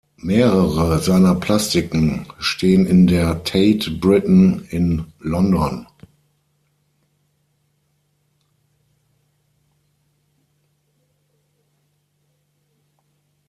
Mehrere seiner Plastiken stehen in der Tate Britain in London.